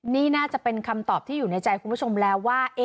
นี่น่าจะเป็นคำตอบที่อยู่ในใจคุณผู้ชมแล้วว่า